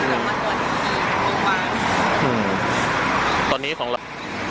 อืมตอนนี้ของเรา